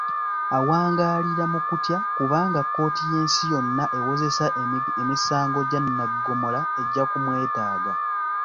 Awangaalira mu kutya kubanga kkooti y'ensi yonna ewozesa emisango gya Nnagomola ejja kumwetaaga